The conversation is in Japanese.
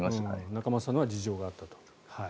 仲正さんの事情があったと。